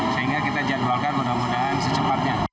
sehingga kita jadwalkan mudah mudahan secepatnya